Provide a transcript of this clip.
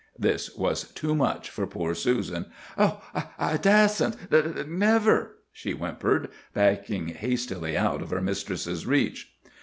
"This was too much for poor Susan. "'Oh, I dasn't—never!' she whimpered, backing hastily out of her mistress's reach.